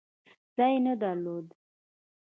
ځای نه درلود.